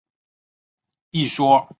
一说创建于康熙五十一年。